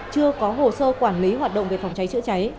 chưa có hồ sơ quản lý hoạt động về phòng cháy chữa cháy